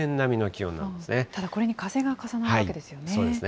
ただ、これに風が重なるわけそうですね。